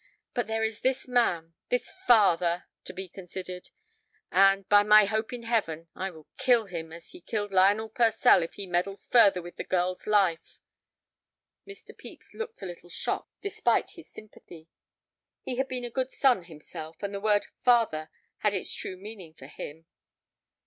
But there is this man—this father—to be considered. And, by my hope in Heaven, I will kill him as he killed Lionel Purcell if he meddles further with the girl's life!" Mr. Pepys looked a little shocked despite his sympathy. He had been a good son himself, and the word "father" had its true meaning for him.